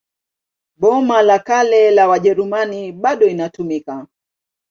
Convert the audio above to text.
Boma la Kale la Wajerumani bado inatumika.